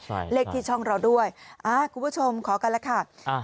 ใช่เลขที่ช่องเราด้วยอ่าคุณผู้ชมขอกันแล้วค่ะอ่า